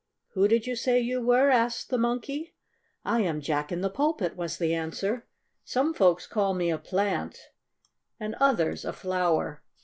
"Who did you say you were?" asked the Monkey. "I am Jack in the Pulpit," was the answer. "Some folks call me a plant, and others a flower.